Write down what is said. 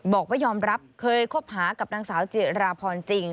บอกว่ายอมรับเคยคบหากับนางสาวจิราพรจริง